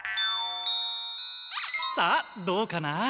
さあどうかな？